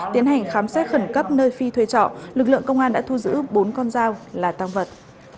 tiến hành khám xét khẩn cấp nơi phi thuê trọ lực lượng công an đã thu giữ bốn con dao là tăng vật